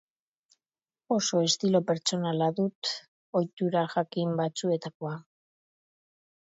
Oso estilo pertsonala dut, ohitura jakin batzuetakoa.